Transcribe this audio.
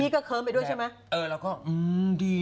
สัมภาษณ์มาแล้วด้วย